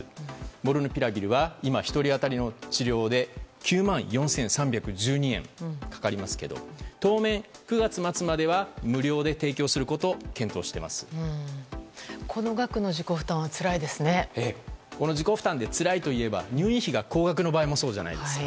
モルヌピラビルは１人当たりの治療で９万４３１２円かかりますけど当面９月末までは無料で提供することをこの額の自己負担は自己負担でつらいといえば入院費が高額な場合もそうじゃないですか。